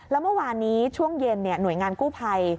แล้วเมื่อวานนี้ช่วงเย็นหน่วยงานกู้ภัย